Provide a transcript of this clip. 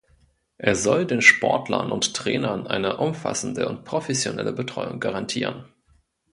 Er soll den Sportlern und Trainern eine umfassende und professionelle Betreuung garantieren.